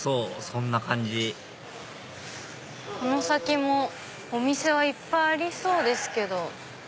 そんな感じこの先もお店はいっぱいありそうですけど。